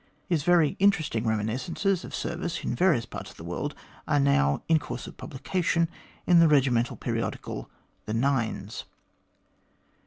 His very interesting reminis cences of service in various parts of the world are now in course of publication in the regimental periodical, The Nines.